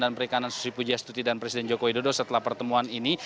dan perikanan susi pujiastuti dan presiden joko widodo setelah pertemuan ini